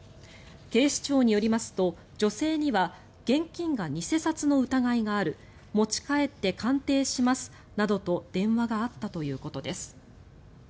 警視庁によりますと女性には現金が偽札の疑いがある持ち帰って鑑定しますなどと電話があったということです。